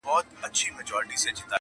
څه عجيبه غوندي حالت دى په يوه وجود کي ،